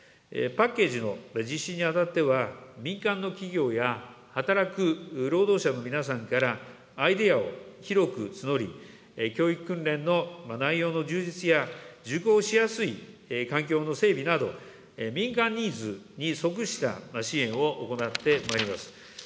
パッケージの実施にあたっては、民間の企業や働く労働者の皆さんから、アイデアを広く募り、教育訓練の内容の充実や、受講しやすい環境の整備など、民間ニーズに即した支援を行ってまいります。